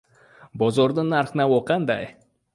Bozorda narx-navo qanday?